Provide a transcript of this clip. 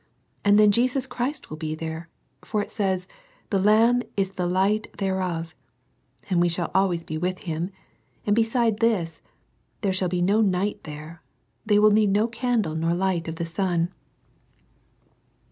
And then Jesus Christ THE HAPPY LITTLE GIRL. 87 will be there, for it says, * the Lamb is the light thereof,' and we shall always be with Him ; and beside this, there shall be no night there : they will need no candle nor light of the sun."